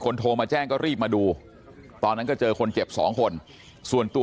โทรมาแจ้งก็รีบมาดูตอนนั้นก็เจอคนเจ็บสองคนส่วนตัว